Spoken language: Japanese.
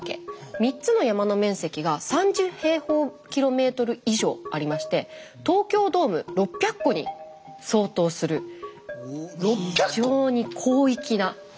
３つの山の面積が３０以上ありまして東京ドーム６００個に相当する非常に広域な。